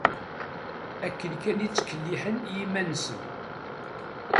Akken kan i ttkelliḥen i iman-nsen.